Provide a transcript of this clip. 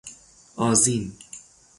آذین